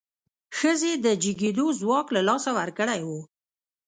ښځې د جګېدو ځواک له لاسه ورکړی و.